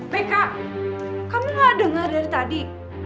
pk kamu gak dengar dari tadi